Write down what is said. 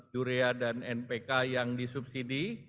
dure dan npk yang disubsidi